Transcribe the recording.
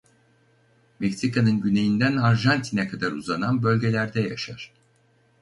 Meksika'nın güneyinden Arjantin'e kadar uzanan bölgelerde yaşar.